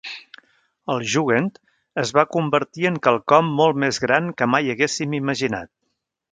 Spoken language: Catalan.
El Jugend es va convertir en quelcom molt més gran que mai haguéssim imaginat.